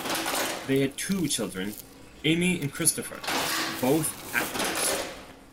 They had two children, Amy and Christopher, both actors.